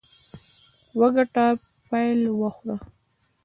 وګټه، پیل وخوره.